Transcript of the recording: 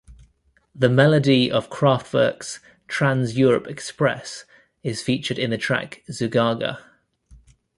The melody of Kraftwerk's "Trans-Europe Express" is featured in the track "Zugaga".